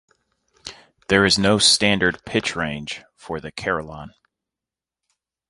There is no standard pitch range for the carillon.